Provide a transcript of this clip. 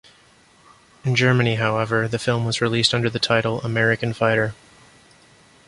In Germany, however, the film was released under the title "American Fighter".